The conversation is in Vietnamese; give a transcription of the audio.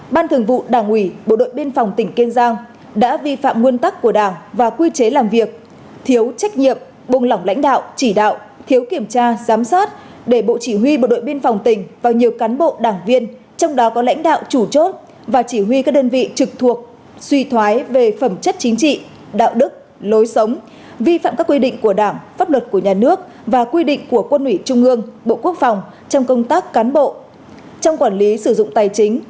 ban thường vụ đảng ủy bộ đội biên phòng tỉnh kiên giang đã vi phạm nguồn tắc của đảng và quy chế làm việc thiếu trách nhiệm bùng lỏng lãnh đạo chỉ đạo thiếu kiểm tra giám sát để bộ chỉ huy bộ đội biên phòng tỉnh và nhiều cán bộ đảng viên trong đó có lãnh đạo chủ chốt và chỉ huy các đơn vị trực thuộc suy thoái về phẩm chất chính trị đạo đức lối sống vi phạm các quy định của đảng pháp luật của nhà nước và quy định của quân ủy chung ngương bộ quốc phòng trong công tác cán bộ trong quản lý sử dụng tài chính